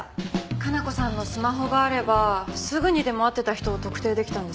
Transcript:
加奈子さんのスマホがあればすぐにでも会ってた人を特定できたんですけどねえ。